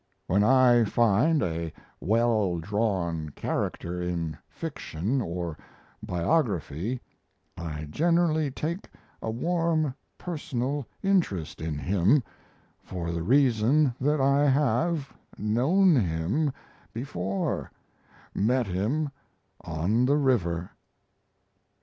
When I find a well drawn character in fiction or biography, I generally take a warm personal interest in him, for the reason that I have, known him before met him on the river.